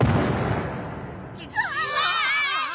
うわ！